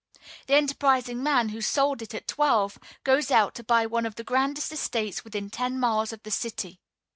The enterprising man, who sold it at twelve, goes out to buy one of the grandest estates within ten miles of the city.